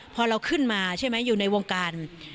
พอเราขึ้นมาใช่ไหมอยู่ในวงการ